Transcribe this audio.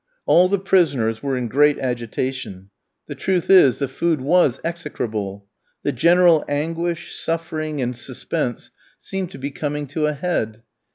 All the prisoners were in great agitation; the truth is, the food was execrable. The general anguish, suffering, and suspense seemed to be coming to a head.